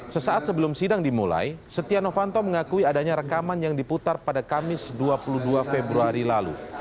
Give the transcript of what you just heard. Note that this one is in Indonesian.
sesaat sebelum sidang dimulai setia novanto mengakui adanya rekaman yang diputar pada kamis dua puluh dua februari lalu